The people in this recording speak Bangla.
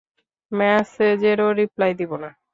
ম্যাসেজেরও রিপ্লাই দিব না।